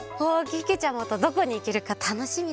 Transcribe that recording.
けけちゃまとどこにいけるかたのしみだな。